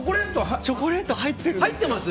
チョコレート入ってるんです。